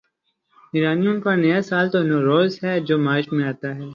ایرانیوں کا نیا سال تو نوروز ہے جو مارچ میں آتا ہے۔